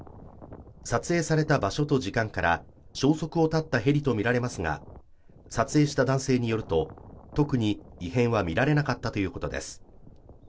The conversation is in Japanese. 撮影された場所と時間から消息を絶ったヘリとみられますが撮影した男性によると特に異変は見られなかったということです。